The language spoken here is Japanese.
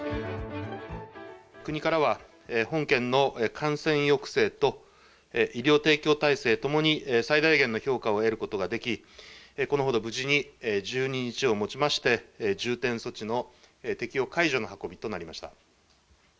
国からは本県の感染抑制と、医療提供体制ともに、最大限の評価を得ることができ、このほど、無事に１２日をもちまして、重点措置の適用解除の運びとなりました。